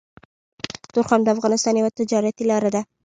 تورخم د افغانستان يوه تجارتي لاره ده